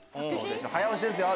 早押しですよ。